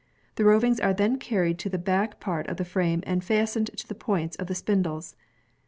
The rowings are then carried to the back part of the frame and fastened to the points of the spindles.